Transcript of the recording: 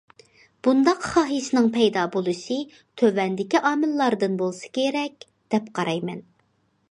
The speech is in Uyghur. بۇنداق خاھىشنىڭ پەيدا بولۇشى تۆۋەندىكى ئامىللاردىن بولسا كېرەك، دەپ قارايمەن.